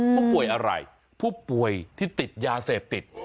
ผู้ป่วยอะไรผู้ป่วยที่ติดยาเสพติด